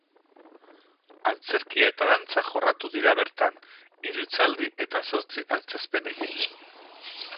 Antzerkia eta dantza jorratuko dira bertan, hiru hitzaldi eta zortzi antzezpenekin.